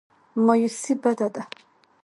مایوسي بده ده.